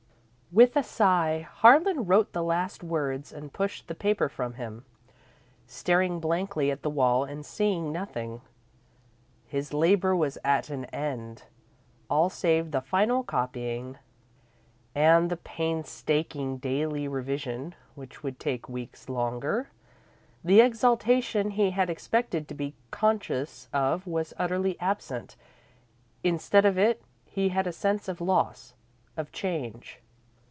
_ With a sigh, Harlan wrote the last words and pushed the paper from him, staring blankly at the wall and seeing nothing. His labour was at an end, all save the final copying, and the painstaking daily revision which would take weeks longer. The exaltation he had expected to be conscious of was utterly absent; instead of it, he had a sense of loss, of change.